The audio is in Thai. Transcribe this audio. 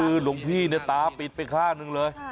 หลวงพี่น่ะตาปิดไปค่านึงเลย